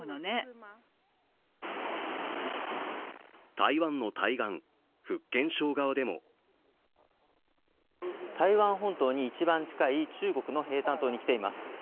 台湾の対岸、福建省側でも台湾本島に一番近い中国の平潭島に来ています。